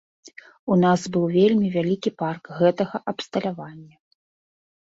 У нас быў вельмі вялікі парк гэтага абсталявання.